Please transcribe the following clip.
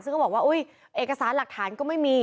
ซึ่งก็บอกว่าอุ๊ยเอกสารหลักฐานก็ไม่มี